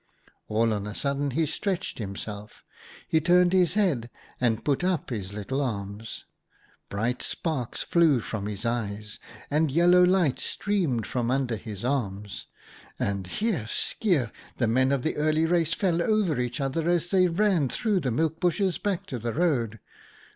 " All on a sudden he stretched himself; he turned his head and put up his little arms. Bright sparks flew from his eyes, and yellow light streamed from under his arms, and — hierr, skierr — the Men of the Early Race fell over each other as they ran through the milk bushes back to the road.